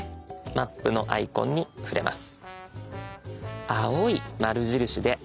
「マップ」のアイコンに触れます。